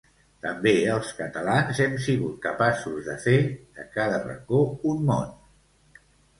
També els catalans hem sigut capaços de fer de cada racó un món.